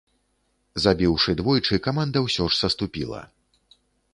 Забіўшы двойчы, каманда ўсё ж саступіла.